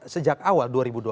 sejak awal dua ribu dua puluh